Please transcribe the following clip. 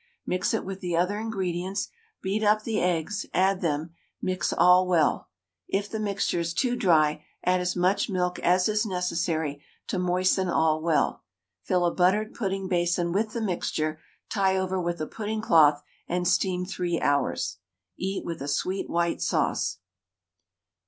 Mix it with the other ingredients, beat up the eggs, add them, and mix all well. If the mixture is too dry add as much milk as is necessary to moisten all well. Fill a buttered pudding basin with the mixture, tie over with a pudding cloth, and steam 3 hours. Eat with a sweet white sauce.